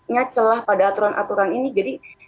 nya celah pada aturan aturan ini jadi